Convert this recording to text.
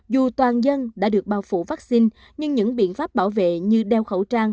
dù toàn dân đã được bao phủ vaccine nhưng những biện pháp bảo vệ như đeo khẩu trang